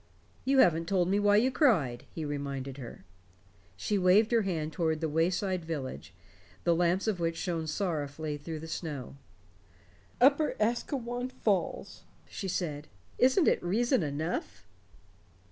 "You haven't told me why you cried," he reminded her. She waved her hand toward the wayside village, the lamps of which shone sorrowfully through the snow. "Upper Asquewan Falls," she said, "isn't it reason enough?"